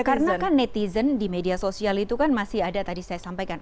karena kan netizen di media sosial itu kan masih ada tadi saya sampaikan